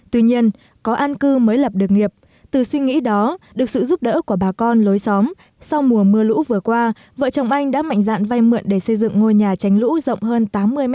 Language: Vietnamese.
tuy nhiên có an cư mới lập được nghiệp từ suy nghĩ đó được sự giúp đỡ của bà con lối xóm sau mùa mưa lũ vừa qua vợ chồng anh đã mạnh dạn vay mượn để xây dựng ngôi nhà tránh lũ rộng hơn tám mươi m hai